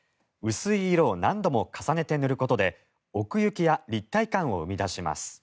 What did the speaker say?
薄い色を何度も重ねて塗ることで奥行きや立体感を生み出します。